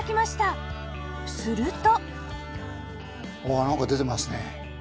すると